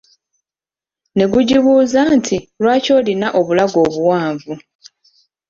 Negugibuuza nti, lwaki olina obulago obuwanvu?